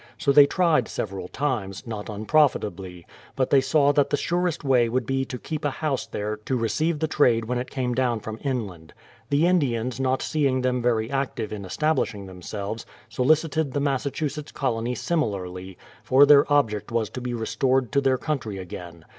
So they tried several times, not unprofit ably; but they saw that the surest way would be to keep a house there to receive the trade when it came down from inland. The Indians not seeing them very active in es 250 BRADFORD'S HISTORY OP tablishing themselves, solicited the Massachusetts colony similarly — for their object was to be ^^estored to their coun try again.